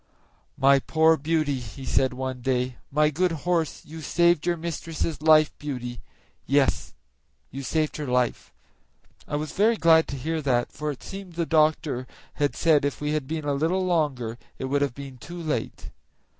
"My poor Beauty," he said one day, "my good horse, you saved your mistress' life, Beauty; yes, you saved her life." I was very glad to hear that, for it seems the doctor had said if we had been a little longer it would have been too late.